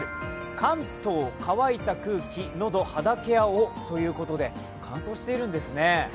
関東、乾いた空気、のど、肌ケアをということで乾燥しているんですね。